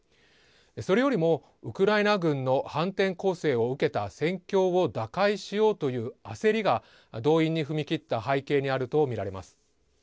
それよりもウクライナ軍の反転攻勢を受けた戦況を打開しようという焦りが動員に踏み切った背景にあると見られます。